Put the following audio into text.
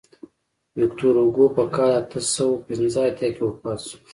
ویکتور هوګو په کال اته سوه پنځه اتیا کې وفات شو.